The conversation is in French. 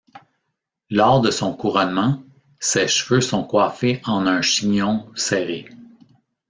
Lors de son couronnement, ses cheveux sont coiffés en un chignon serré.